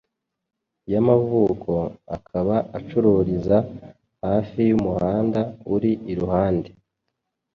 yamavuko, akaba acururiza hafi y’umuhanda uri iruhande